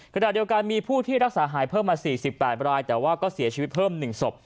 ขณะเดียวกันมีผู้ที่รักษาหายเพิ่มมา๔๘รายแต่ว่าก็เสียชีวิตเพิ่ม๑ศพ